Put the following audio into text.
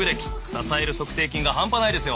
支える足底筋がハンパないですよ。